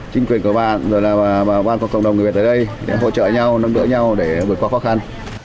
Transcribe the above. chính quyền của bạn và cộng đồng người việt ở đây để hỗ trợ nhau nâng đỡ nhau để bước qua khó khăn